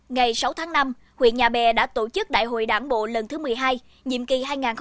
ngày sáu tháng năm huyện nhà bè đã tổ chức đại hội đảng bộ lần thứ một mươi hai nhiệm kỳ hai nghìn hai mươi hai nghìn hai mươi năm